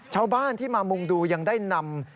ชาวบ้านที่มามุงดูยังได้นำ